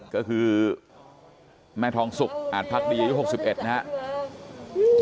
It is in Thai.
ก็คือแม่ทองศุกร์อาจพักในยุค๖๑นะครับ